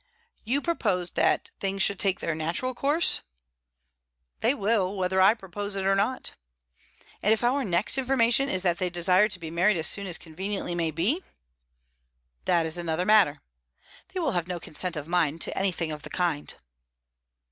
"You propose that things should take their natural course?" "They will, whether I propose it or not." "And if our next information is that they desire to be married as soon as conveniently may be?" "That is another matter. They will have no consent of mine to anything of the kind."